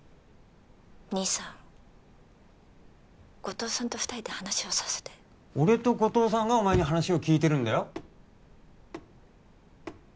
兄さん後藤さんと二人で話をさせて俺と後藤さんがお前に話を聞いてるんだよ